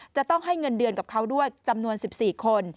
จะต้องให้เงินเดือนกับเขาด้วยจำนวน๑๔คน